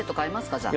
じゃあ。